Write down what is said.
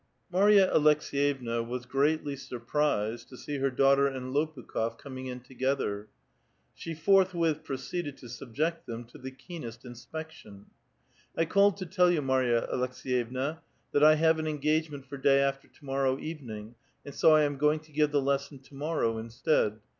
Marta Alekseyevna was greatly surprised to see her daughter and Lopukh6f coming in togetlier. Slie Ibrlli with proceeded to subject tliem to the keenest insi)ection. '' 1 called to tell you, Mary a Alekseyevna, tliat I have an engagement for day after to morrow evening, and so I am going to give the lesson to morrow instead.